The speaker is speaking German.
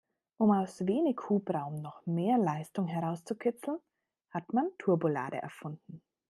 Um aus wenig Hubraum noch mehr Leistung herauszukitzeln, hat man Turbolader erfunden.